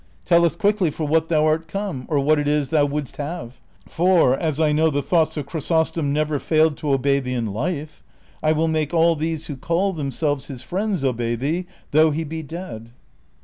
^ Tell us quickly for what thou art come, or what it is thou wouldst have, for, as I know the thoughts of Chrysostom never failed to obey thee in life, I will make all these who call themselves his friends obey thee, though he be dead."